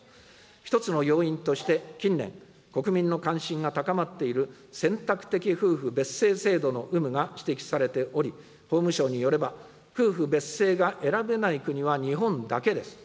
一つの要因として、近年、国民の関心が高まっている選択的夫婦別姓制度の有無が指摘されており、法務省によれば、夫婦別姓が選べない国は日本だけです。